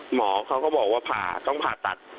หมอเขาก็บอกว่าผ่าต้องผ่าตัด